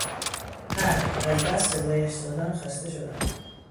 اه - از بس صدایش زدم خسته شدم!